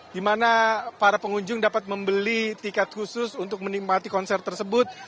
di mana para pengunjung dapat membeli tiket khusus untuk menikmati konser tersebut